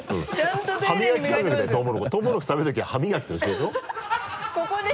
とうもろこし食べる時は歯磨きと一緒でしょ？